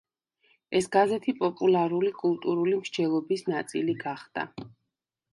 ეს გაზეთი პოპულარული კულტურული მსჯელობის ნაწილი გახდა.